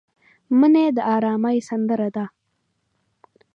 منی د ارامۍ سندره ده